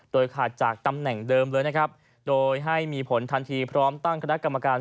โดยขาดจากตำแหน่งเดิมเลยนะครับโดยให้มีผลทันทีพร้อมตั้งคณะกรรมการ